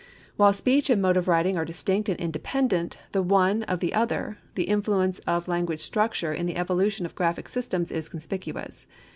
While speech and mode of writing are distinct and independent, the one of the other, the influence of language structure in the evolution of graphic systems is conspicuous.